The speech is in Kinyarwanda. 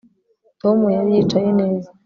Tom yari yicaye neza